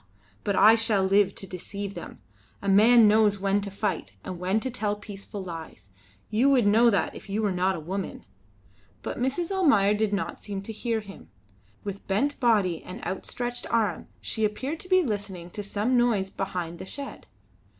But I shall live to deceive them. A man knows when to fight and when to tell peaceful lies. You would know that if you were not a woman." But Mrs. Almayer did not seem to hear him. With bent body and outstretched arm she appeared to be listening to some noise behind the shed.